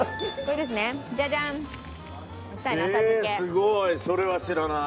すごい。それは知らない。